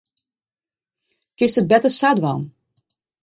Kinst it better sa dwaan.